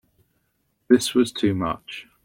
This was too much.